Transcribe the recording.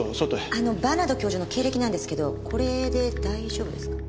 あのバーナード教授の経歴なんですけどこれで大丈夫ですか？